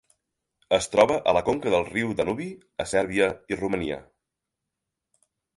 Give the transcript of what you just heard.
Es troba a la conca del riu Danubi a Sèrbia i Romania.